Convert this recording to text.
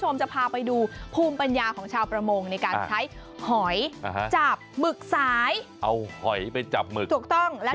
ไม่เป็นเลยนะคะมันเยอะมากจริง